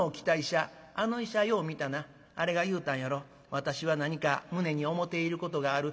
私は何か胸に思ていることがある。